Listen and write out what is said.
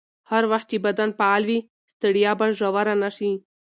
هر وخت چې بدن فعال وي، ستړیا به ژوره نه شي.